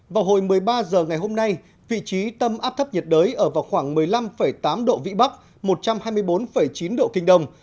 vào hồi một mươi ba h ngày hôm nay vị trí tâm áp thấp nhiệt đới ở vào khoảng một mươi năm tám độ vĩ bắc một trăm hai mươi bốn chín độ kinh đông